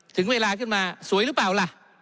ถึงเวลาขึ้นมาสวยหรือเปล่าล่ะ